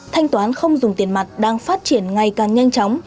thanh toán không dùng tiền mặt đang phát triển ngày càng nhanh chóng